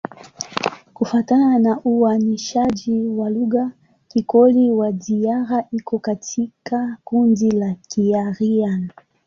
Kufuatana na uainishaji wa lugha, Kikoli-Wadiyara iko katika kundi la Kiaryan.